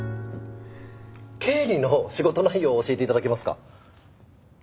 経理の仕事内容を教えて頂けますか？